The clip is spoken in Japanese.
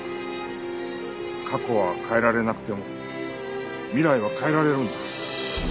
過去は変えられなくても未来は変えられるんだ。